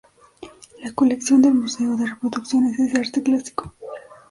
La colección del Museo de Reproducciones es de Arte Clásico.